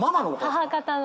母方の。